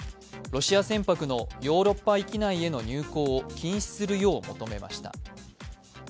ロシア船舶のヨーロッパ域内への入港を禁止するよう求めました。